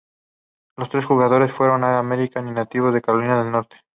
Los tres jugadores fueron All-Americans y nativos de Carolina del Norte.